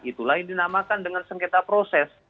itulah yang dinamakan dengan sengketa proses